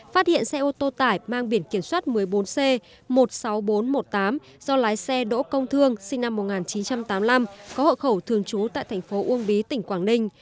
phát hiện xe ô tô tải mang biển kiểm soát một mươi bốn c một mươi sáu nghìn bốn trăm một mươi tám do lái xe đỗ công thương sinh năm một nghìn chín trăm tám mươi năm có hộ khẩu thường trú tại thành phố uông bí tỉnh quảng ninh